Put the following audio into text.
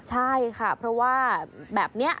ใช่ค่ะเพราะว่าแบบนี้